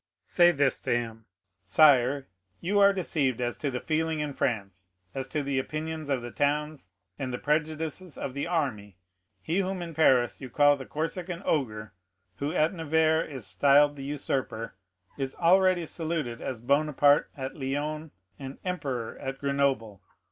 "Say this to him: 'Sire, you are deceived as to the feeling in France, as to the opinions of the towns, and the prejudices of the army; he whom in Paris you call the Corsican ogre, who at Nevers is styled the usurper, is already saluted as Bonaparte at Lyons, and emperor at Grenoble.